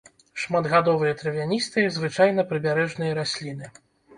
Шматгадовыя травяністыя, звычайна прыбярэжныя расліны.